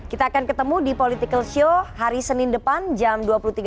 kita akan ketemu di political show hari senin depan jam dua puluh tiga puluh